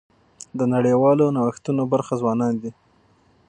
د نړیوالو نوښتونو برخه ځوانان دي.